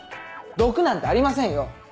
毒なんてありませんよ。